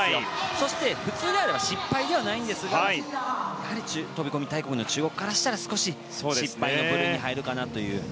そして、普通であれば失敗ではないんですがやはり飛込大国の中国からしたら失敗の部類かなと。